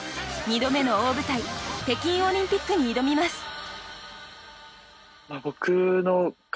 ２度目の大舞台北京オリンピックに挑みます！